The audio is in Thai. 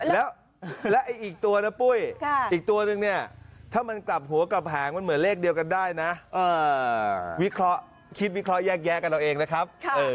แล้วอีกตัวนะปุ้ยอีกตัวนึงเนี่ยถ้ามันกลับหัวกลับหางมันเหมือนเลขเดียวกันได้นะวิเคราะห์คิดวิเคราะห์แยกแยะกันเอาเองนะครับ